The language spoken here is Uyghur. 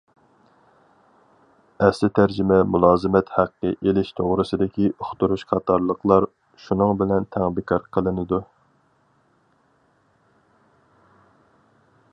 ئەسلى تەرجىمە مۇلازىمەت ھەققى ئېلىش توغرىسىدىكى ئۇقتۇرۇش قاتارلىقلار شۇنىڭ بىلەن تەڭ بىكار قىلىنىدۇ.